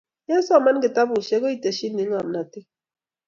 yesoman kitabusiek koiteshinii ngomnotee